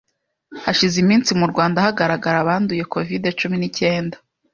Hashize iminsi mu Rwanda hagaragara abanduye Covid-cumi nicyenda